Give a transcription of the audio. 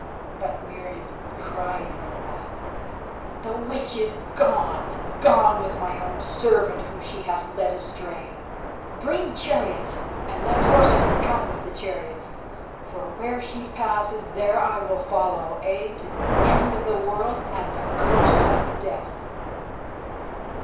But Meriamun cried in her wrath: "The Witch is gone, gone with my own servant whom she hath led astray. Bring chariots, and let horsemen come with the chariots, for where she passes there I will follow, ay, to the end of the world and the coast of Death."